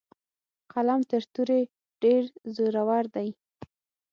قلم تر تورې ډیر زورور دی.